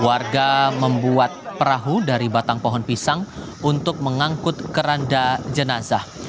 warga membuat perahu dari batang pohon pisang untuk mengangkut keranda jenazah